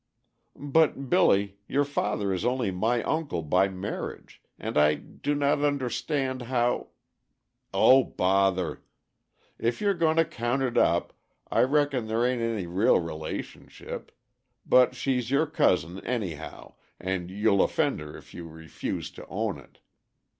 "But, Billy, your father is only my uncle by marriage, and I do not understand how " "O bother! If you're going to count it up, I reckon there a'n't any real relationship; but she's your cousin, anyhow, and you'll offend her if you refuse to own it.